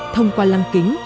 thông qua lang kính